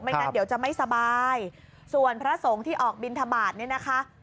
งั้นเดี๋ยวจะไม่สบายส่วนพระสงฆ์ที่ออกบินทบาทเนี่ยนะคะ